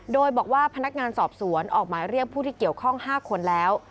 โดยบอกว่าพนักงานสอบสวนออกหมายเรียกผู้ที่เกี่ยวข้อง๕คนแล้ว